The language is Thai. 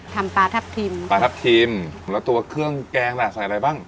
ทำปลาทับทิมปลาทับทิมแล้วตัวเครื่องแกงน่ะใส่อะไรบ้าง